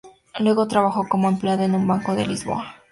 Luego trabajó como empleado en un banco de Lisboa.